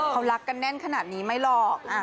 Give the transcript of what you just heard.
เขารักกันแน่นขนาดนี้ไม่หรอก